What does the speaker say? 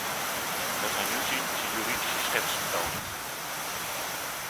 Wat wij nu zien is een juridische schertsvertoning.